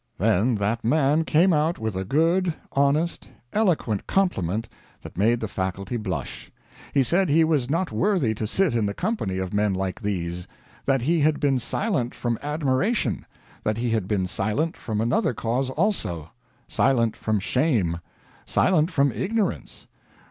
Then that man came out with a good, honest, eloquent compliment that made the Faculty blush. He said he was not worthy to sit in the company of men like these; that he had been silent from admiration; that he had been silent from another cause also silent from shame silent from ignorance!